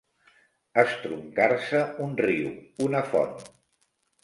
Estroncar-se un riu, una font.